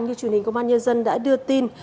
như truyền hình công an nhân dân đã đưa tin